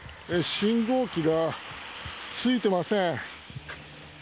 信号機がついてません。